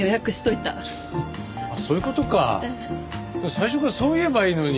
最初からそう言えばいいのに。